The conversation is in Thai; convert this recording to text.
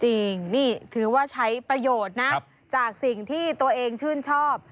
จริงนี่ถือว่าใช้ประโยชน์นะจากสิ่งที่ตัวเองชื่นชอบ